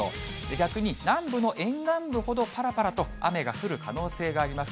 逆に南部の沿岸部ほどぱらぱらと雨が降る可能性があります。